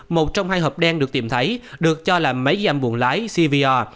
một trong hai hộp đen được tìm thấy được cho là máy giam buôn lái cvr